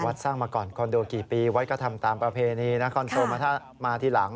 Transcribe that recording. สร้างมาก่อนคอนโดกี่ปีวัดก็ทำตามประเพณีนะคอนโทรมาถ้ามาทีหลัง